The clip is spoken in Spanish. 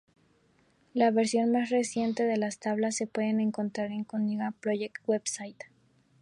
La versión más reciente de las tablas se puede encontrar en Cunningham Project website.